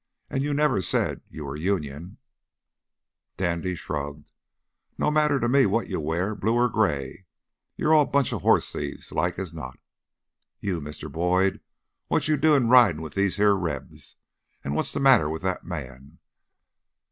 And you never said you were Union " Dandy shrugged. "No matter to me what you wear ... blue ... gray you're all a bunch of horse thieves, like as not. You, Mr. Boyd, what you doing riding with these here Rebs? And what's the matter with that man?